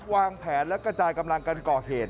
วางแผนและกระจายกำลังกันก่อเหตุ